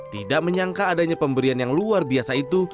tidak menyangka adanya pemberian yang luar biasa itu